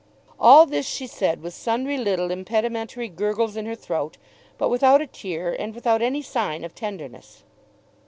All this she said with sundry little impedimentary gurgles in her throat, but without a tear and without any sign of tenderness.